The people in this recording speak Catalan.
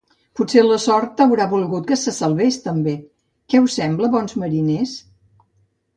Potser la sort haurà volgut que se salvés també. Què us sembla, bons mariners?